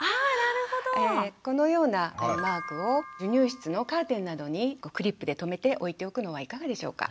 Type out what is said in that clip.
このようなマークを授乳室のカーテンなどにクリップで留めて置いておくのはいかがでしょうか。